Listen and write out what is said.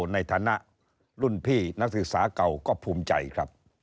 ในฐานะรุ่นพี่นักศึกษาเก่าก็ภูมิใจครับ